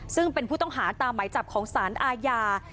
ซึ่งเป็นผู้ต้องหาตามหมายจับของสารอาญา